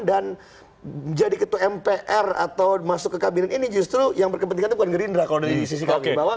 dan jadi ketua mpr atau masuk ke kabinet ini justru yang berkepentingan bukan gerindra kalau di sisi kabinet bawah